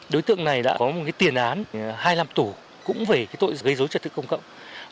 đối tượng này đã có một tiền án hai làm tủ cũng về tội gây dối trật tức công cộng